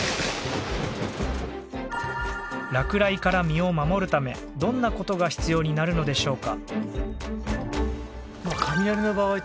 落雷から身を守るためどんな事が必要になるのでしょうか？